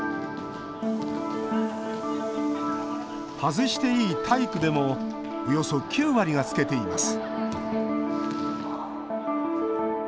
外していい体育でもおよそ９割がつけています